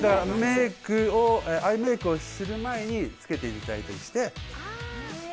アイメークをする前につけていただいて。